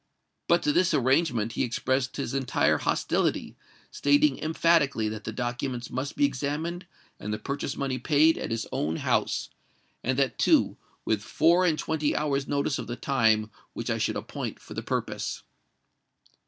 But to this arrangement he expressed his entire hostility, stating emphatically that the documents must be examined and the purchase money paid at his own house—and that, too, with four and twenty hours' notice of the time which I should appoint for the purpose."